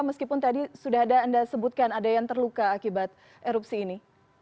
meskipun tadi sudah ada anda sebutkan ada yang terluka akibat erupsi ini